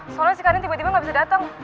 soalnya si karen tiba tiba gak bisa dateng